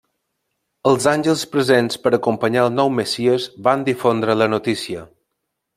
Els àngels presents per acompanyar al nou messies varen difondre la notícia.